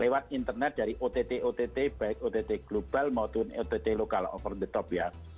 lewat internet dari ott ott baik ott global maupun ott lokal over the top ya